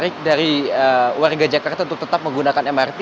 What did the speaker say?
kita bisa melihat